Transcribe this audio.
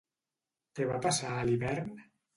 Què va passar a l'hivern?